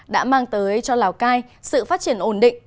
đã mang tới cho lào cai sự phát triển ổn định